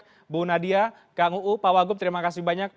terima kasih banyak bu nadia kang uu pak wagub terima kasih banyak